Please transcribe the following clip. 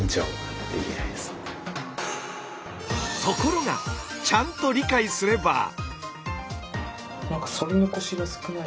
ところがちゃんと理解すれば。